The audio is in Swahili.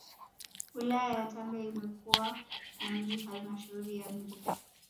Wilaya ya Tanga imekuwa na Halmashauri ya Mji